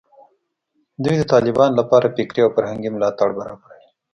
دوی د طالبانو لپاره فکري او فرهنګي ملاتړ برابروي